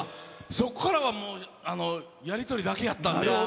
そこからはもうやり取りだけやったんで。